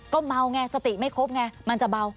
ก็เมาไงสติไม่ครบไงมันจะเบา